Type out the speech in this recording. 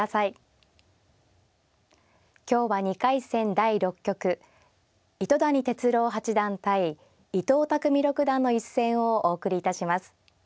第６局糸谷哲郎八段対伊藤匠六段の一戦をお送りいたします。